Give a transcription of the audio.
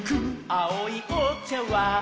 「あおいおちゃわん」